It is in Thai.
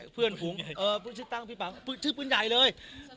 เพื่อนหุงชื่อตั้งชื่อพื้นใหญ่เลย